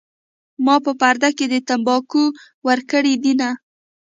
ما په پرده کې تمباکو ورکړي دینه